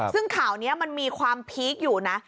ซึ่งข่าวนี้มันมีความพีคอยู่นะ